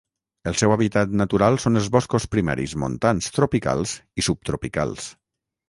El seu hàbitat natural són els boscos primaris montans tropicals i subtropicals.